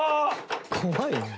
「怖いね」